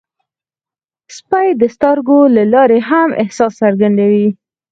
سپي د سترګو له لارې هم احساس څرګندوي.